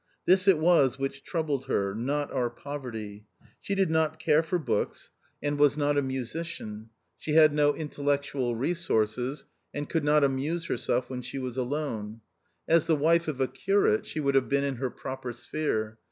This it was which troubled her, not our poverty. She did not care for books, and 17© THE OUTCAST was not a musician : she had no intellectual resources, and could not amuse herself when she was alone. As the wife of a curate she would have been in her proper sphere.